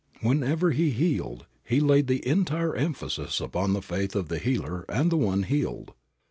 Whenever He healed He laid the entire emphasis upon the faith of the healer and the one healed.